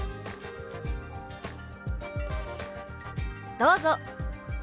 どうぞ！